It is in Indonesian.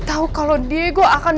dan nantikan kadonya